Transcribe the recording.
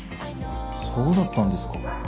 そうだったんですか。